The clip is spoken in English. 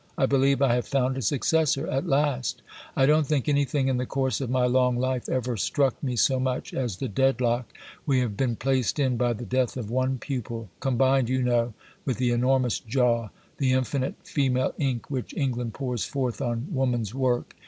"I believe I have found a successor at last. I don't think anything in the course of my long life ever struck me so much as the deadlock we have been placed in by the death of one pupil combined, you know, with the enormous jaw, the infinite female ink which England pours forth on 'Woman's Work.'